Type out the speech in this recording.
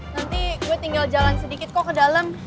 nanti gue tinggal jalan sedikit kok ke dalam